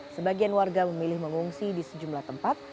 sebagian warga memilih mengungsi di sejumlah tempat